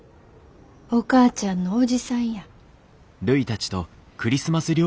お母ちゃんの伯父さんや。